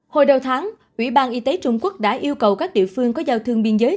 hồi đầu tháng ủy ban y tế trung quốc đã yêu cầu các địa phương có giao thương biên giới